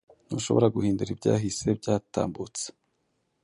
Ntushobora guhindura ibyahise byatambutse